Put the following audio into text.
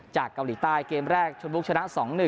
เกาหลีใต้เกมแรกชนบุรีชนะ๒๑